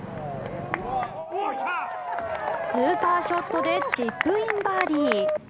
スーパーショットでチップインバーディー。